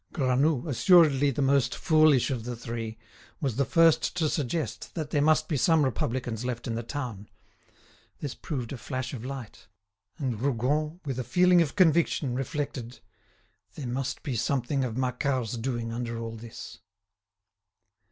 Granoux, assuredly the most foolish of the three, was the first to suggest that there must be some Republicans left in the town. This proved a flash of light, and Rougon, with a feeling of conviction, reflected: "There must be something of Macquart's doing under all this."